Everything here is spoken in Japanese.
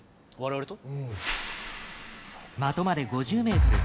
的まで５０ｍ。